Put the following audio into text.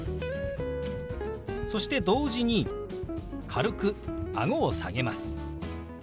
そして同時に軽くあごを下げます。